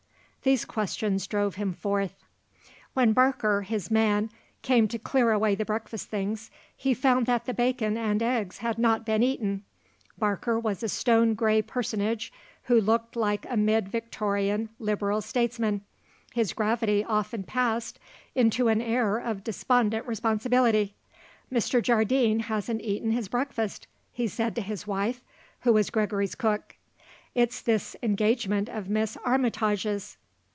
These questions drove him forth. When Barker, his man, came to clear away the breakfast things he found that the bacon and eggs had not been eaten. Barker was a stone grey personage who looked like a mid Victorian Liberal statesman. His gravity often passed into an air of despondent responsibility. "Mr. Jardine hasn't eaten his breakfast," he said to his wife, who was Gregory's cook. "It's this engagement of Miss Armytage's.